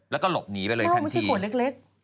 แล้วก็หลบหนีไปเลยแค่นั้นไม่ใช่ขวดเล็ก